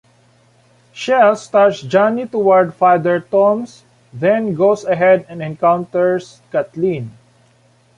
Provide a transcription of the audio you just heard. Shell starts Johnny toward Father Tom's, then goes ahead and encounters Kathleen.